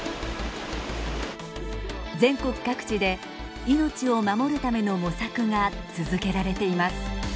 全国各地で命を守るための模索が続けられています。